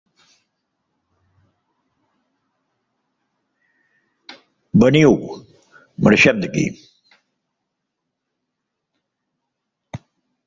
Veniu, marxem d'aquí!